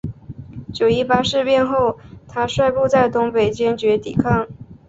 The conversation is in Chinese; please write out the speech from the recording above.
九一八事变发生后他率部在东北坚决抵抗。